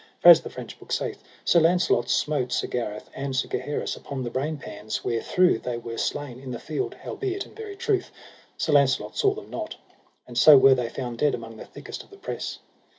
For as the French book saith, Sir Launcelot smote Sir Gareth and Sir Gaheris upon the brain pans, wherethrough they were slain in the field; howbeit in very truth Sir Launcelot saw them not, and so were they found dead among the thickest of the press.